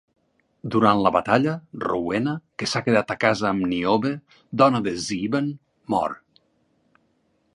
Durant la batalla, Rowena, que s'ha quedat a casa amb Niobe, dona de Sieben, mor.